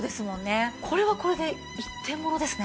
これはこれで一点物ですね。